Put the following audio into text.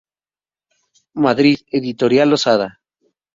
Madrid: Editorial Losada.